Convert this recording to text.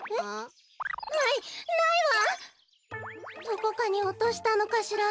どこかにおとしたのかしら？